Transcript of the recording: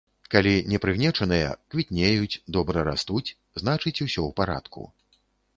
Калі не прыгнечаныя, квітнеюць, добра растуць, значыць, усё ў парадку.